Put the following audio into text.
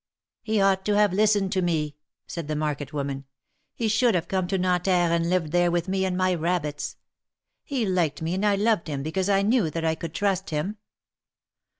" He ought to have listened to me," said the market woman. "He should have come to Nanterre and lived there with me and my rabbits. He liked me and I loved him because I knew that I could trust him.